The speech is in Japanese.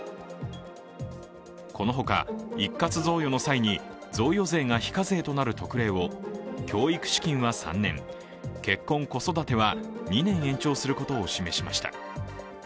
このほか、一括贈与の際に贈与税が非課税となる特例を教育資金は３年、結婚・子育ては２年延長することを示しました。